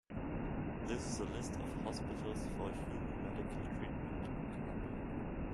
This is a list of hospitals for human medical treatment in Colombia.